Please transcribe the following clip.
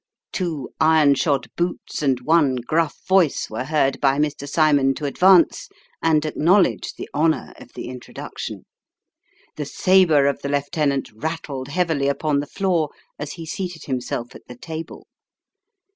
Two iron shod boots and one gruff voice were heard by Mr. Cymon to advance, and acknowledge the honour of the introduction. The sabre of the lieutenant rattled heavily upon the floor, as he seated himself at the table.